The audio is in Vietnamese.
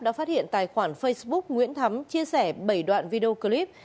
đã phát hiện tài khoản facebook nguyễn thắm chia sẻ bảy đoạn video clip